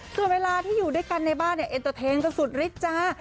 ส่วนเวลาที่อยู่ด้วยกันในบ้านเนี่ยเอ็นเตอร์เทนกันสุดฤทธิจ้า